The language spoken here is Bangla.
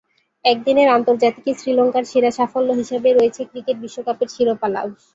একদিনের আন্তর্জাতিকে শ্রীলঙ্কার সেরা সাফল্য হিসেবে রয়েছে ক্রিকেট বিশ্বকাপের শিরোপা লাভ।